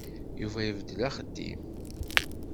Yuba ibeddel axeddim.